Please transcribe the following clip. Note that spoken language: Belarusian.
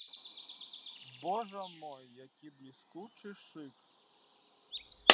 Божа мой, які бліскучы шык!